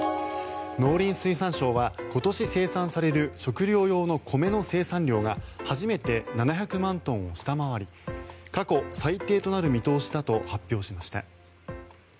農林水産省は今年生産される食料用の米の生産量が初めて７００万トンを下回り過去最低となる見通しだと発表しました。